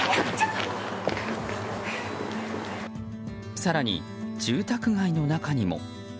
更に、住宅街の中にも。